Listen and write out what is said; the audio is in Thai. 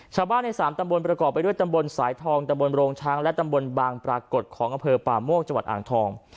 ชาวบ้านใน๓ตำบลประกอบไปด้วยตำบลสายทองตำบลโรงช้างและตำบลบางปรากฏของอำเภอป่าโมกจังหวัดอ่างทอง